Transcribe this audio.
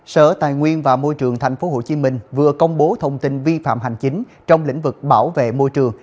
sở tài nguyên và môi trường tp hcm vừa công bố thông tin vi phạm hành chính trong lĩnh vực bảo vệ môi trường